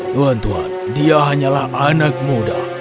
tuan tuhan dia hanyalah anak muda